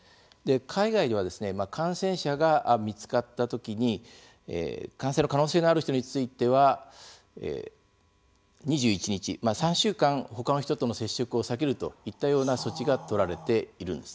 海外では感染者が見つかったときに感染の可能性がある人については２１日、３週間ほかの人との接触を避けるといったような措置が取られているんですね。